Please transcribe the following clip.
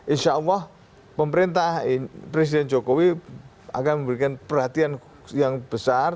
insya allah pemerintah presiden jokowi akan memberikan perhatian yang besar